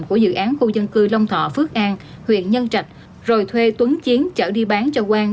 của dự án khu dân cư long thọ phước an huyện nhân trạch rồi thuê tuấn chiến chở đi bán cho quang